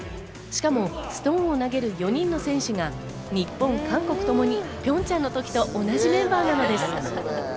しかもストーンを投げる４人の選手が日本、韓国ともにピョンチャンの時と同じメンバーなのです。